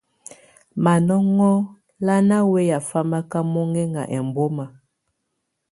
Manɔŋɔ lá ná wɛya famaka mɔŋɛŋa ɛmbɔma.